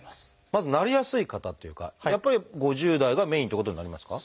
まずなりやすい方というかやっぱり５０代がメインということになりますか？